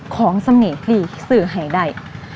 ของสำเนธหลีซื้อให้ได้